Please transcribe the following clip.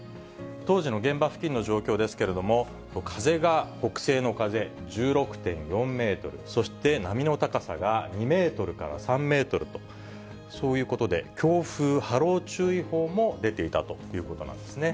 当時の現場付近の状況ですけれども、風が北西の風１６．４メートル、そして波の高さが２メートルから３メートルと、そういうことで、強風・波浪注意報も出ていたということなんですね。